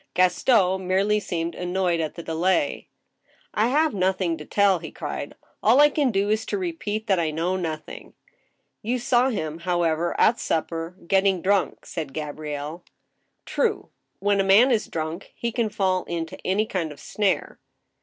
Gaston merely seemed annoyed at the delay. " I have nothing to tell," he cried. " All I can do is to repeat that I know nothing." " You saw him, however, at supper — getting drunk," said Ga brielle. "True; when a man is drunk, he can fall into any kind of snare."